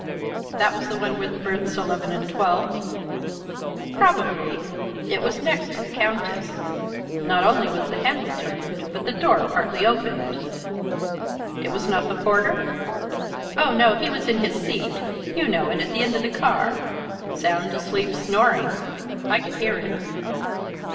"That was the one with berths 11 and 12?" "Probably. It was next to the Countess. Not only was the handle turned, but the door partly opened " "It was not the porter?" "Oh, no, he was in his seat, you know it, at the end of the car, sound asleep, snoring; I could hear him."